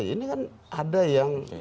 ini kan ada yang